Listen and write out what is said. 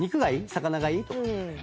魚がいい？とか。